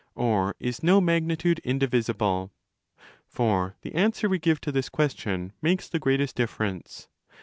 Or isno mag nitude indivisible?' For the answer we give to this question makes the greatest difference.